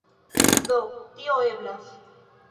Do, tio eblas.